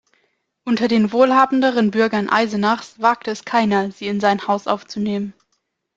Unter den wohlhabenderen Bürgern Eisenachs wagte es keiner, sie in sein Haus aufzunehmen.